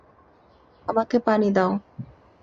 আমাকে পানি দাও।